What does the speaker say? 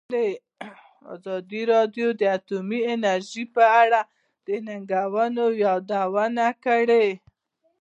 ازادي راډیو د اټومي انرژي په اړه د ننګونو یادونه کړې.